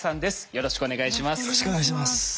よろしくお願いします。